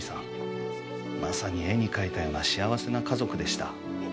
まさに絵に描いたような幸せな家族でした。